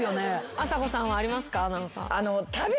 あさこさんはありますか？